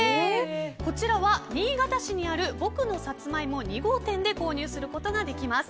こちらは新潟市にあるぼくのさつまいも２号店で購入することができます。